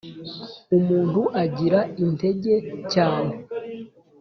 umuntu agira intege cyane,